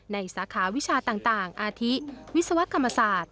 สาขาวิชาต่างอาทิวิศวกรรมศาสตร์